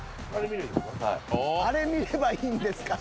「アレ観ればいいんですか？」